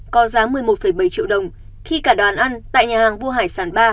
có giá một mươi một bảy triệu đồng khi cả đoàn ăn tại nhà hàng vua hải sản ba